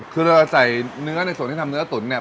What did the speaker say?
คือเราจะใส่เนื้อในส่วนที่ทำเนื้อตุ๋นเนี่ย